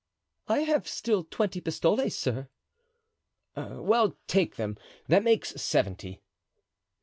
"I have still twenty pistoles, sir." "Well, take them; that makes seventy."